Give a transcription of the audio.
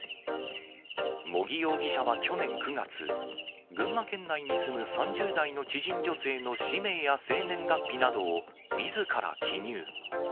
茂木容疑者は去年９月、群馬県内に住む３０代の知人女性の氏名や生年月日などを、みずから記入。